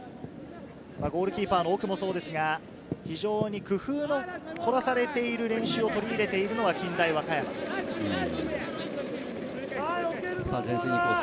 ゴールキーパーの奥もそうですが、非常に工夫を凝らされている練習を取り入れているのが近大和歌山です。